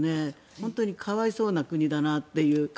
本当に可哀想な国だなというか。